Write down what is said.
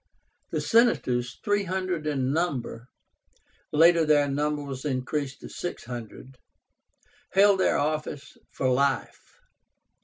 The Senators, three hundred in number (later their number was increased to six hundred), held their office for life.